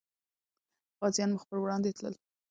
غازيان مخ پر وړاندې تلل.